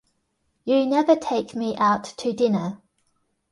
You never take me out to dinner.